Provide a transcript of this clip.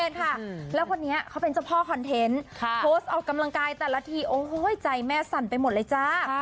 แล้วคนนี้เขาเป็นเจ้าพ่อคอนเทนต์โพสต์ออกกำลังกายแต่ละทีโอ้โหใจแม่สั่นไปหมดเลยจ้า